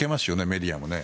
メディアも。